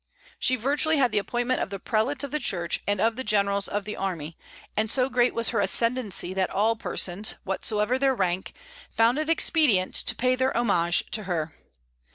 She virtually had the appointment of the prelates of the Church and of the generals of the army; and so great was her ascendency that all persons, whatsoever their rank, found it expedient to pay their homage to her.